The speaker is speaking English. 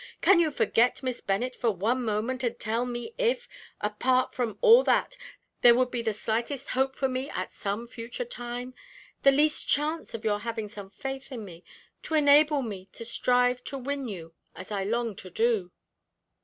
Can you forget Miss Bennet for one moment, and tell me if, apart from all that, there would be the slightest hope for me at some future time? the least chance of your having some faith in me, to enable me to strive to win you as I long to do?"